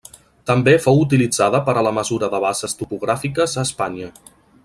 També fou utilitzada per a la mesura de bases topogràfiques a Espanya.